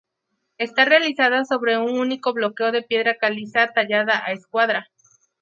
Está realizada sobre un único bloque de piedra caliza tallado a escuadra.